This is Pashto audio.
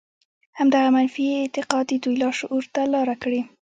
همدغه منفي اعتقاد د دوی لاشعور ته لاره کړې.